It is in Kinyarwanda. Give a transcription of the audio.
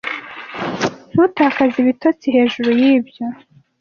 Ntutakaze ibitotsi hejuru yibyo